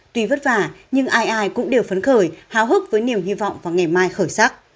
tuy vất vả nhưng ai ai cũng đều phấn khởi hào hức với niềm hy vọng vào ngày mai khởi sắc